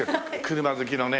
車好きのね